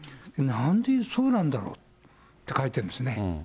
なんでそうなんだろう？って書いてるんですね。